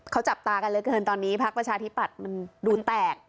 เขาจับตากันเหลือเกินตอนนี้พักประชาธิปัตย์มันดูแตก